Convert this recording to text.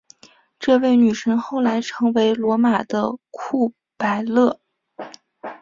这位女神后来成为罗马的库柏勒。